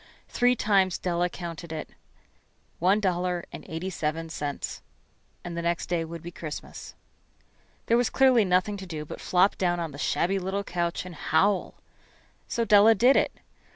Three times Della counted it. One dollar and eighty seven cents. And the next day would be Christmas. There was clearly nothing to do but flop down on the shabby little couch and howl. So Della did it.